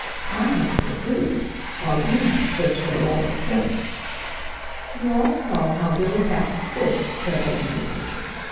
I hunt for food, while he hunts just for the love of killing." "You all saw how Billy catches fish," said Old Mother Nature.